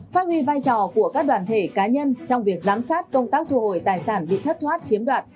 phát huy vai trò của các đoàn thể cá nhân trong việc giám sát công tác thu hồi tài sản bị thất thoát chiếm đoạt